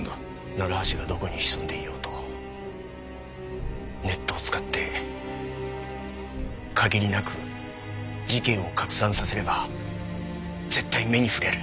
楢橋がどこに潜んでいようとネットを使って限りなく事件を拡散させれば絶対目に触れる。